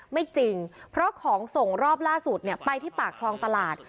ไม่จริงเพราะของส่งรอบล่าสุดไปที่ปากคลองตลาด